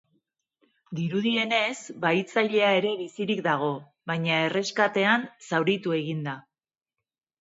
Dirudienez, bahitzailea ere bizirik dago, baina erreskatean zauritu egin da.